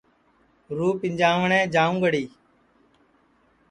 رُوح پِنجانٚوٹؔیں جاؤنٚگڑی